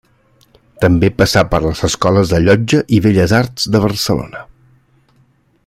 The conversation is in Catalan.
També passà per les escoles de Llotja i Belles Arts de Barcelona.